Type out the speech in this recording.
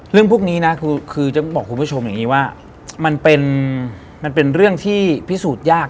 เรื่องพวกนี้นะคือจะบอกคุณผู้ชมอย่างนี้ว่ามันเป็นมันเป็นเรื่องที่พิสูจน์ยาก